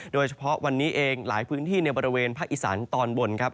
โดยเฉพาะวันนี้เองหลายพื้นที่ในบริเวณภาคอีสานตอนบนครับ